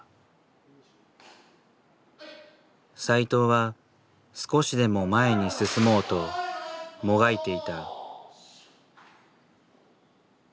斎藤は少しでも前に進もうともがいていた。